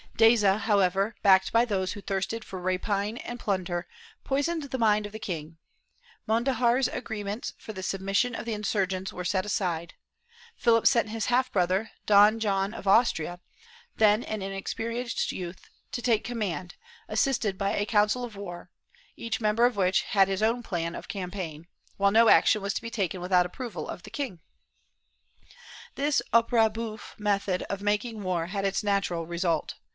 Deza, however, backed by those who thirsted for rapine and plunder, poisoned the mind of the king; Mondejar's agreements for the submission of the insurgents were set aside; Philip sent his half brother, Don John of Austria, then an inex perienced youth, to take command, assisted by a council of war, each member of which had his own plan of campaign, while no action was to be taken without the approval of the king. This opera houffe method of making war had its natural result.